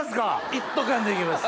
一斗缶で行けます。